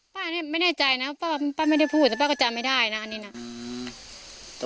ป้านี่ไม่แน่ใจนะป้าไม่ได้พูดแต่ป้าก็จำไม่ได้นะอันนี้น่ะอืม